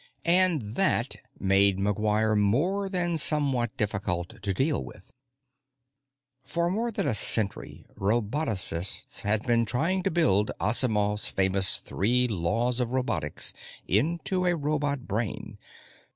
And that made McGuire more than somewhat difficult to deal with. For more than a century, robotocists have been trying to build Asimov's famous Three Laws of Robotics into a robot brain.